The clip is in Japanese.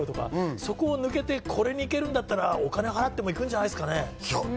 それを抜けて、これに行けるんだったら、お金払ってもよくないですか？